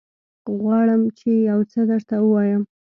غواړم چې يوڅه درته ووايم.